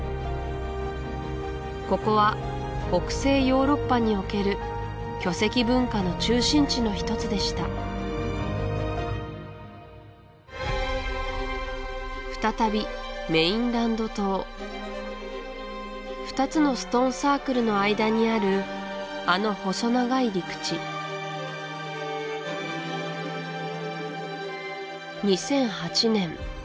ここは北西ヨーロッパにおける巨石文化の中心地の１つでした再びメインランド島２つのストーンサークルの間にあるあの細長い陸地２００８年